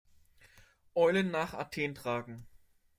Eulen nach Athen tragen.